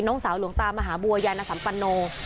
โน้งสาวหลวงตามหาบัวญนสัมปารโน